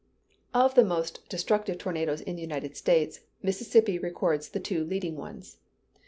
Of the most destructive tornadoes in the United States, Mississippi records the two leading ones.